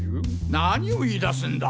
何を言いだすんだ。